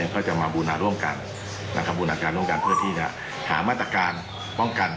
ก็จะมาบูนาร่วมกันเพื่อที่จะหามาตรการป้องกัน